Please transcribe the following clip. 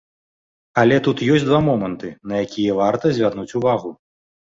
Але тут ёсць два моманты, на якія варта звярнуць увагу.